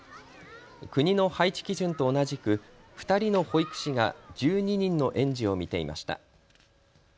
国の配置基準と同じく２人の保育士が１２人の園児を見ていました。